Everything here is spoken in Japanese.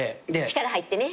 力入ってね。